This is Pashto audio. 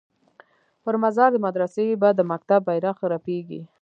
پر مزار د مدرسې به د مکتب بیرغ رپیږي